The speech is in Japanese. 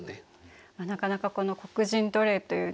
なかなかこの黒人奴隷というね